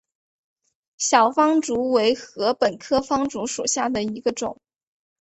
小方竹为禾本科方竹属下的一个种。